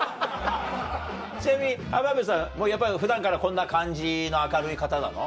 ちなみに浜辺さんやっぱ普段からこんな感じの明るい方なの？